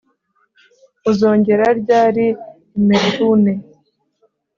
Uzongera ryari i Melbourne